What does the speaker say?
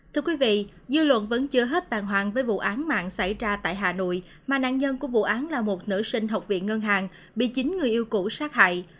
thưa quý vị dư luận vẫn chưa hết bàng hoàng với vụ án mạng xảy ra tại hà nội mà nạn nhân của vụ án là một nữ sinh học viện ngân hàng bị chín người yêu cũ sát hại